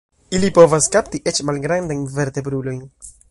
Ili povas kapti eĉ malgrandajn vertebrulojn.